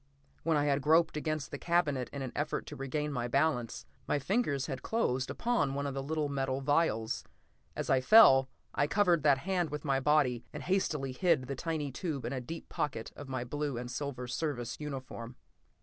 When I had groped against the cabinet in an effort to regain my balance, my fingers had closed upon one of the little metal vials. As I fell, I covered that hand with my body and hastily hid the tiny tube in a deep pocket of my blue and silver Service uniform.